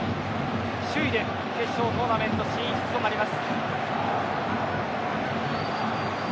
首位で決勝トーナメント進出となります。